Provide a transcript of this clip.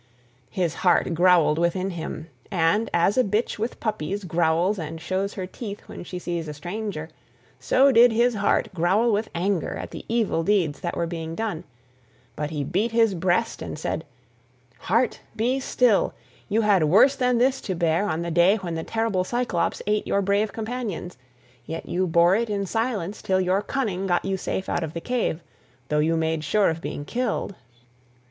His heart growled within him, and as a bitch with puppies growls and shows her teeth when she sees a stranger, so did his heart growl with anger at the evil deeds that were being done: but he beat his breast and said, "Heart, be still, you had worse than this to bear on the day when the terrible Cyclops ate your brave companions; yet you bore it in silence till your cunning got you safe out of the cave, though you made sure of being killed."